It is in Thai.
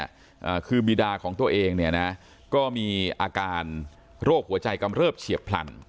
อ่าคือบีดาของตัวเองเนี่ยนะก็มีอาการโรคหัวใจกำเริบเฉียบพลัน